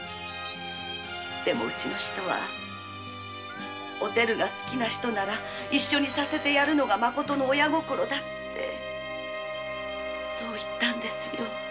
でも主人は「おてるが好きな人なら一緒にさせてやるのがまことの親心だ」ってそう言ったんです。